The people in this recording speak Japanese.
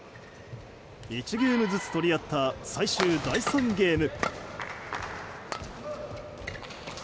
１ゲームずつ取り合った最終第３ゲーム。